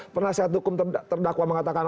penasihat hukum terdakwa mengatakan